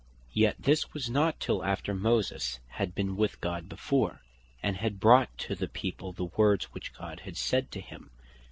yet this was not till after Moses had been with God before, and had brought to the people the words which God had said to him.